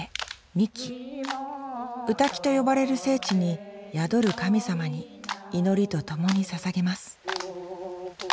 「御嶽」と呼ばれる聖地に宿る神様に祈りとともにささげます